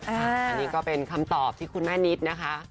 อันนี้ก็เป็นคำตอบที่คุณแม่นิดนะคะ